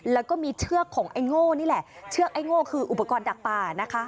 แล้วก็มีเชือกของไอ้โง่นี่แหละเชือกไอ้โง่คืออุปกรณ์ดักป่านะคะ